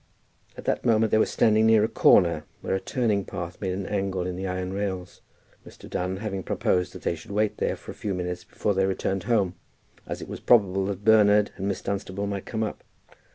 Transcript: At that moment they were standing near a corner, where a turning path made an angle in the iron rails, Mr. Dunn having proposed that they should wait there for a few minutes before they returned home, as it was probable that Bernard and Miss Dunstable might come up.